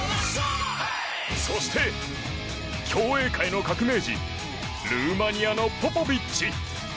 そして競泳界の革命児ルーマニアのポポビッチ。